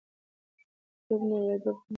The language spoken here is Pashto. چي ډب نه وي ، ادب نه وي